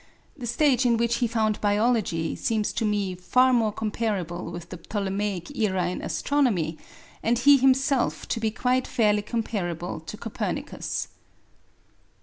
The stage in which he found biology seems to me far more comparable with the Ptolemaic era in astronomy, and he himself to be quite fairly comparable to Copernicus.